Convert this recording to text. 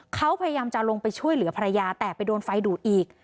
เขาพยายามจะลงไปช่วยเหลือภรรยาแต่ไปโดนไฟดูดอีก